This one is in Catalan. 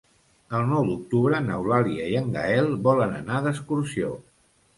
El nou d'octubre n'Eulàlia i en Gaël volen anar d'excursió.